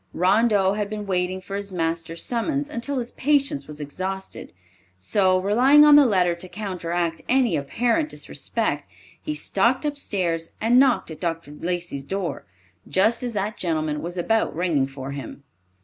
Rondeau had been waiting for his masters summons until his patience was exhausted. So, relying on the letter to counteract any apparent disrespect, he stalked upstairs and knocked at Dr. Lacey's door, just as that gentleman was about ringing for him.